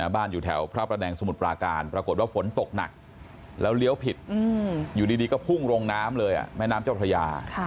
บ้านอยู่แถวพระประแดงสมุทรปราการปรากฏว่าฝนตกหนักแล้วเลี้ยวผิดอยู่ดีก็พุ่งลงน้ำเลยแม่น้ำเจ้าพระยา